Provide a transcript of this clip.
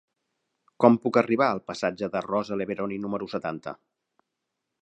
Com puc arribar al passatge de Rosa Leveroni número setanta?